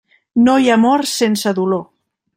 No hi ha amor sense dolor.